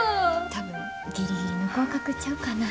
多分ギリギリの合格ちゃうかな。